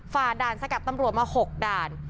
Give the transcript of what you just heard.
ฝ่าด่านสกัดตำรวจมา๖ด่าน